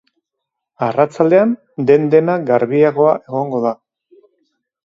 Arratsaldean, dena den, garbiago egongo da.